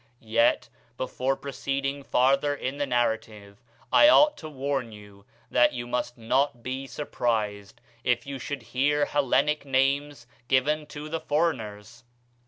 Yet, before proceeding farther in the narrative, I ought to warn you that you must not be surprised if you should bear Hellenic names given to foreigners.